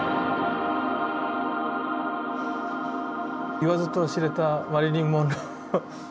言わずと知れたマリリン・モンロー。